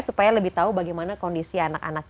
supaya lebih tahu bagaimana kondisi anak anak